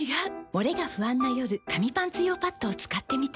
モレが不安な夜紙パンツ用パッドを使ってみた。